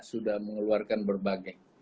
sudah mengeluarkan berbagai